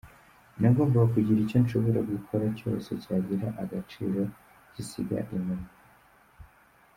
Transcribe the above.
Nagombaga kugira icyo nshobora gukora cyose cyagira agaciro gisiga inyuma.